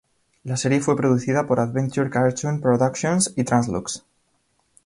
La serie fue producida por Adventure Cartoon Productions y Trans-Lux.